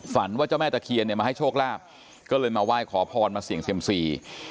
ว่าเจ้าแม่ตะเคียนเนี่ยมาให้โชคลาภก็เลยมาไหว้ขอพรมาเสี่ยงเซียมซี